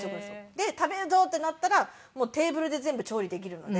で食べるぞってなったらテーブルで全部調理できるので。